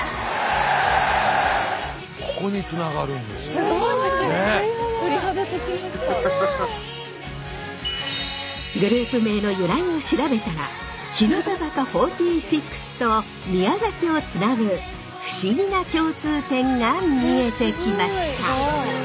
すごい！グループ名の由来を調べたら日向坂４６と宮崎をつなぐ不思議な共通点が見えてきました！